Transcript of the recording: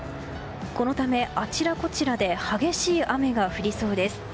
このため、あちらこちらで激しい雨が降りそうです。